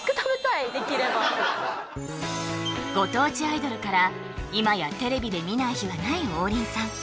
もうご当地アイドルから今やテレビで見ない日はない王林さん